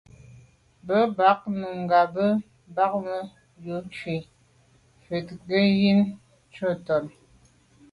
Bə̀k bɑ̌ Nùngà bə̀ bɑ́mə́ yə̂ cû vút gə́ yí gí tchwatong.